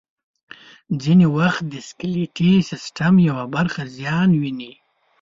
ځینې وخت د سکلیټي سیستم یوه برخه زیان ویني.